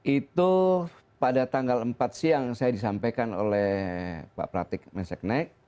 itu pada tanggal empat siang saya disampaikan oleh pak pratik meseknek